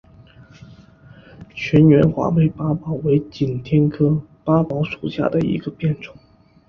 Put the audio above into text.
全缘华北八宝为景天科八宝属下的一个变种。